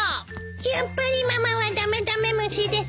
やっぱりママはダメダメ虫です。